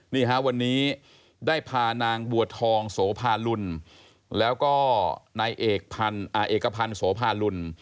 นี่ฮะวันนี้ได้พานางบัวทองโสภาลุลแล้วก็นายเอกพันธ์โสภาลุล